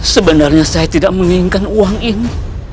sebenarnya saya tidak menginginkan uang ini